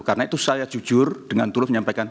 karena itu saya jujur dengan terus menyampaikan